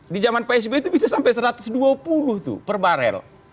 di zaman pak sby itu bisa sampai satu ratus dua puluh itu per barel